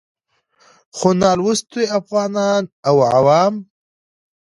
خو نالوستي افغانان او عوام